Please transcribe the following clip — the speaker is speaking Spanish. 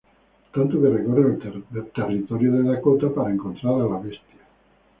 Tanto, que recorre el territorio de Dakota para encontrar a la bestia.